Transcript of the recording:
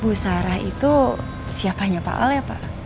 bu sarah itu siapanya pak al ya pak